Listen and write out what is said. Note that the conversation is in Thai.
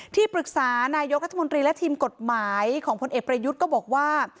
ที่ปรึกษานายกรัฐมนตรีและทีมกฎหมายของพลเอกประยุทธ์ก็บอกว่า